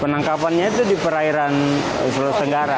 penangkapannya itu di perairan sulawesi tenggara